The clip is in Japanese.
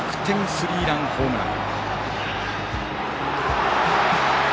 スリーランホームラン。